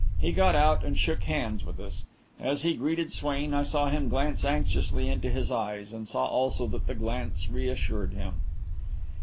He got out and shook hands with us. As he greeted Swain, I saw him glance anxiously into his eyes and saw also that the glance reassured him.